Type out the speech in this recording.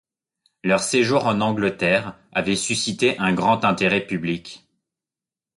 Leur séjour en Angleterre avait suscité un grand intérêt public.